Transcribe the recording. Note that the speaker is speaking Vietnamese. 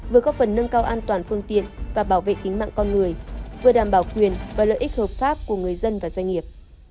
vừa góp phần nâng cao an toàn phương tiện và bảo vệ tính mạng con người vừa đảm bảo quyền và lợi ích hợp pháp của người dân và doanh nghiệp